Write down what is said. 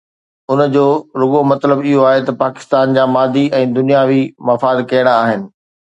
ان جو رڳو مطلب اهو آهي ته پاڪستان جا مادي ۽ دنياوي مفاد ڪهڙا آهن؟